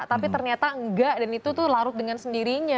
tapi ternyata enggak dan itu tuh larut dengan sendirinya